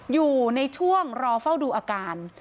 อยู่ในช่วงรอเฝ้าดูอาการ